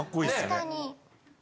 確かに。